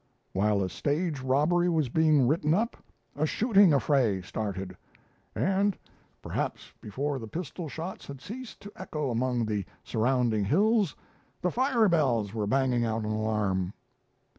While a stage robbery was being written up, a shooting affray started; and perhaps before the pistol shots had ceased to echo among the surrounding hills, the firebells were banging out an alarm."